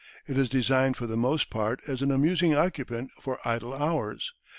It is designed for the most part as an amusing occupation for idle hours.